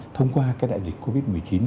thông qua cái đại dịch covid một mươi chín